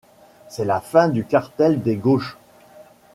C’est la fin du Cartel des gauches.